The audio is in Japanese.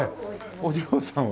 お嬢さんは？